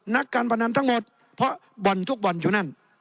นักการพนันทั้งหมดเพราะบ่อนทุกบ่อนอยู่นั่น